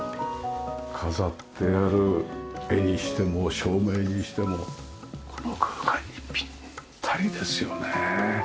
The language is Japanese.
飾ってある絵にしても照明にしてもこの空間にピッタリですよね。